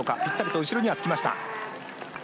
ぴったりと後ろには着きました。